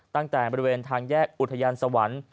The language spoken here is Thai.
ตั้งแต่บริเวณทางแยกอุทยานสวรรค์